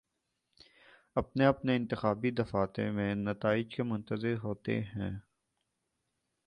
اپنے اپنے انتخابی دفاتر میں نتائج کے منتظر ہوتے ہیں